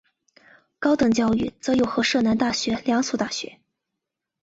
高等教育则有和摄南大学两所大学。